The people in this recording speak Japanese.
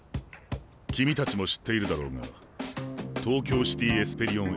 君たちも知っているだろうが東京シティ・エスペリオンＦＣＪ